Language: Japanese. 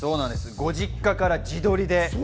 ご実家から自撮で。